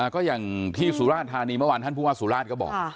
ก็อย่างที่สุราธานีเมื่อวานท่านผู้ว่าสุราชก็บอก